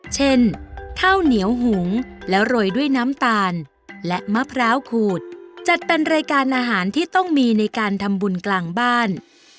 เช่นข้าวเหนียวหุงแล้วโรยด้วยน้ำตาลและมะพร้าวขูดจัดเป็นรายการอาหารที่ต้องมีในการทำบุญกลางบ้าน